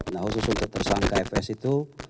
nah khusus untuk tersangka fs itu